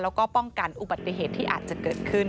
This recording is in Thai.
แล้วก็ป้องกันอุบัติเหตุที่อาจจะเกิดขึ้น